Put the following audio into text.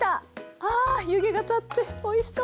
あ湯気が立っておいしそう！